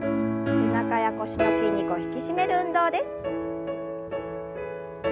背中や腰の筋肉を引き締める運動です。